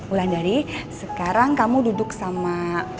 ulan dari sekarang kamu duduk sama